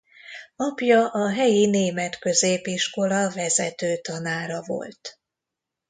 Apja a helyi német középiskola vezető tanára volt.